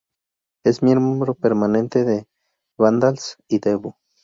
Es miembro permanente de The Vandals y Devo.